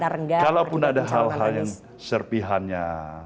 ya artinya kalau pun ada hal hal yang serpihannya